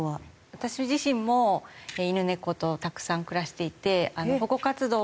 私自身も犬猫とたくさん暮らしていて保護活動も。